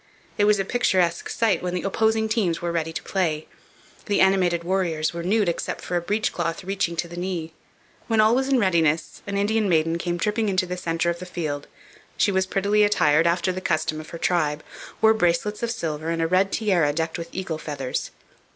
It was a picturesque sight when the opposing teams were ready to commence play. The animated warriors were nude except for a breech cloth reaching to the knee. When all was in readiness, an Indian maiden came tripping into the centre of the field. She was prettily attired after the custom of her tribe, wore bracelets of silver and a red tiara decked with eagle feathers.